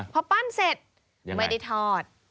พอปั้นเสร็จไม่ได้ทอด